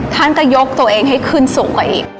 ท่านก็ยกตัวเองให้ขึ้นสูงกว่าอีก